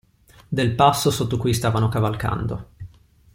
Del passo sotto cui stavano cavalcando.